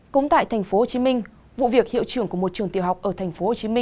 cũng tại tp hcm vụ việc hiệu trưởng của một trường tiểu học ở tp hcm